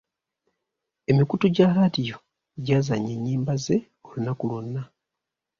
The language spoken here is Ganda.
Emikutu gya laadiyo gy'azannya ennyimba ze olunaku lwonna.